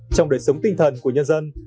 trong đời sống tinh thần của nhân dân